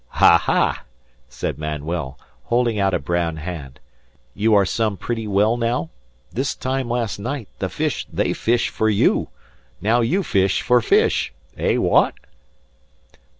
"Ah ha!" said Manuel, holding out a brown hand. "You are some pretty well now? This time last night the fish they fish for you. Now you fish for fish. Eh, wha at?"